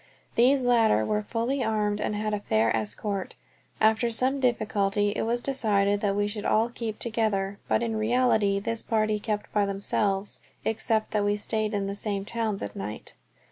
These latter were fully armed and had a fair escort. After some difficulty it was decided that we should all keep together, but in reality this party kept by themselves, except that we stayed in the same towns at night.